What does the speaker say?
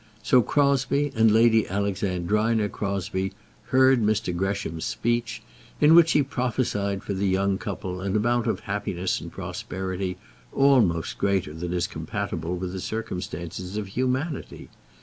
So Crosbie and Lady Alexandrina Crosbie heard Mr. Gresham's speech, in which he prophesied for the young couple an amount of happiness and prosperity almost greater than is compatible with the circumstances of humanity.